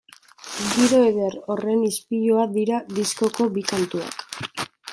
Giro eder horren ispilua dira diskoko bi kantuak.